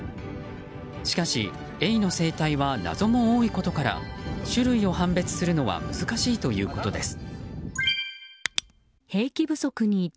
しかし、エイの生態は謎も多いことから種類を判別するのは難しいということです。